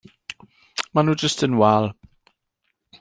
Maen nhw jyst yn wael.